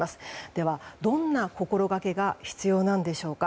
では、どんな心掛けが必要なんでしょうか。